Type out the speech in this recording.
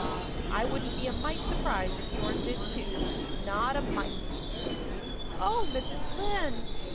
I wouldn't be a mite surprised if yours did, too not a mite." "Oh, Mrs. Lynde!"